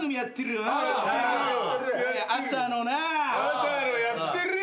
朝のやってるよ。